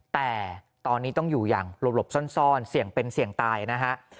แต่ตอนนี้ต้องอยู่อย่างหลบซ่อนเสี่ยงเป็นเสี่ยงตายนะฮะ